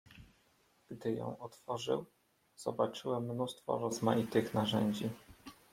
"Gdy ją otworzył, zobaczyłem mnóstwo rozmaitych narzędzi."